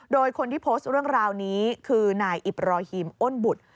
โดยคนที่โพสต์เรื่องราวนี้คือนายอิบรอฮีมอ้นบุตร